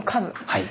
はい。